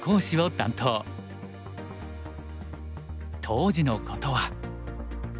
当時のことは。